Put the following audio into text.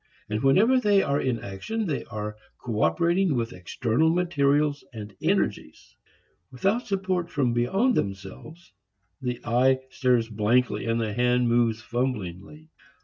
And whenever they are in action they are cooperating with external materials and energies. Without support from beyond themselves the eye stares blankly and the hand moves fumblingly.